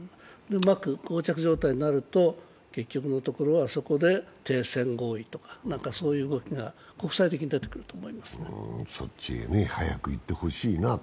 うまくこう着状態になると、結局のところはそこで停戦合意とか、そういう動きが国際的に出てくると思います。